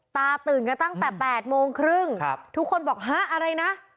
ตาตื่นกันตั้งแต่๘๓๐ทุกคนบอกฮะอะไรนะ